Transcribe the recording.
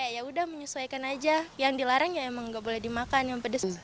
ya udah menyesuaikan aja yang dilarang ya emang nggak boleh dimakan yang pedes